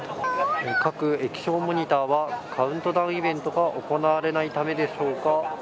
各液晶モニターはカウントダウンイベントが行われないためでしょうか。